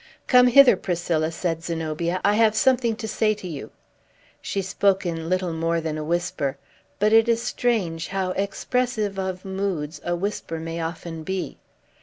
"Come hither, Priscilla," said Zenobia. "I have something to say to you." She spoke in little more than a whisper. But it is strange how expressive of moods a whisper may often be.